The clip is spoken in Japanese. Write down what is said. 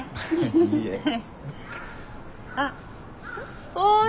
あっおい。